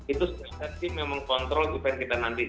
itu safety memang kontrol event kita nanti